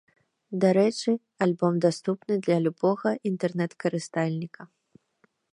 Дарэчы, альбом даступны для любога інтэрнэт-карыстальніка.